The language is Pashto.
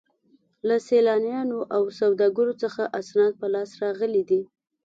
له سیلانیانو او سوداګرو څخه اسناد په لاس راغلي دي.